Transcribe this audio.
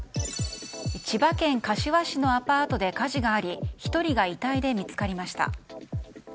千葉県柏市のアパートで火事があり１人が遺体で見つかりました。